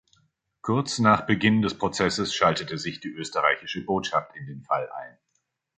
Kurz nach Beginn des Prozesses schaltete sich die österreichische Botschaft in den Fall ein.